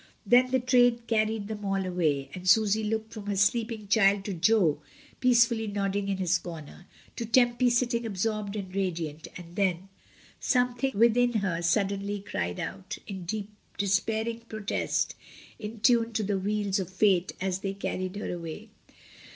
Then the train carried them all away, and Susy looked SAYING "GOOD BYE." 1 43 from her sleeping child to Jo peacefully nodding in his comer, to Tempy sitting absorbed and radiant, and then, something within her suddenly cried out, in despairing protest, in tune to the wheels of fate as they carried her away.